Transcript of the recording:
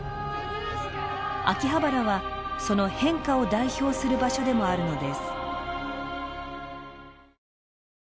秋葉原はその変化を代表する場所でもあるのです。